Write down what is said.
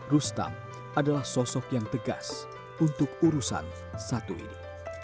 rustam adalah sosok yang tegas untuk urusan satu ini